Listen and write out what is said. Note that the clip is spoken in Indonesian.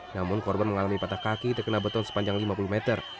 namun korban mengalami patah kaki terkena beton sepanjang lima puluh meter